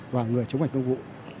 và người chống hành công vụ